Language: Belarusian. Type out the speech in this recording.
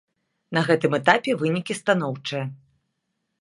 На гэтым этапе вынікі станоўчыя.